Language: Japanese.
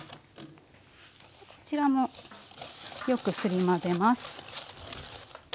こちらもよくすり混ぜます。